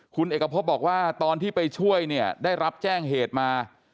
คุณเอกพบบอกว่าตอนที่ไปช่วยเนี่ยได้รับแจ้งเหตุมา